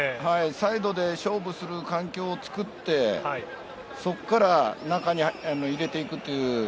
サイドで勝負する環境を作ってそこから中に入れていくという。